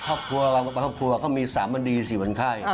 ครอบครัวเรากำลังไปครอบครัวเขามีสามวันดีสี่วันไข้